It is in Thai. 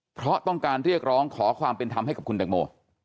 เพราะต้องการเรียกร้องขอความเป็นธรรมให้กับคุณแตงโม